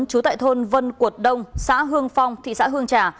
trú tại thôn vân cuột đông xã hương phong thị xã hương trà